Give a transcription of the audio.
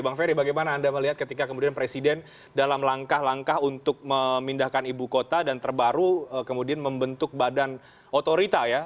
bang ferry bagaimana anda melihat ketika kemudian presiden dalam langkah langkah untuk memindahkan ibu kota dan terbaru kemudian membentuk badan otorita ya